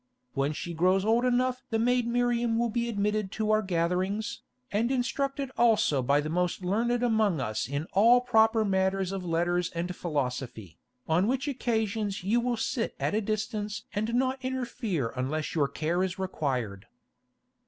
When she grows old enough the maid Miriam will be admitted to our gatherings, and instructed also by the most learned amongst us in all proper matters of letters and philosophy, on which occasions you will sit at a distance and not interfere unless your care is required.